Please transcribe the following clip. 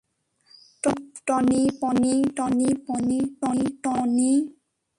Tony - Tony Pony - Tony Pony - Tony Pony?